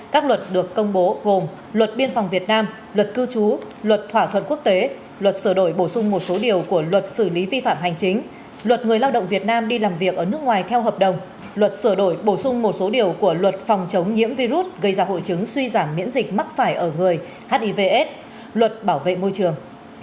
các luật được công bố gồm luật biên phòng việt nam luật cư trú luật thỏa thuận quốc tế luật sửa đổi bổ sung một số điều của luật xử lý vi phạm hành chính luật người lao động việt nam đi làm việc ở nước ngoài theo hợp đồng luật sửa đổi bổ sung một số điều của luật phòng chống nhiễm virus gây ra hội chứng suy giảm miễn dịch mắc phải ở người hivs luật bảo vệ môi trường